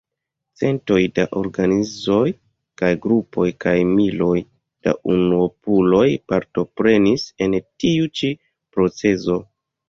Centoj da organizoj kaj grupoj kaj miloj da unuopuloj partoprenis en tiu ĉi procezo.